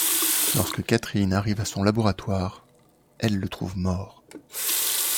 Lorsque Katherine arrive à son laboratoire elle le trouve mort.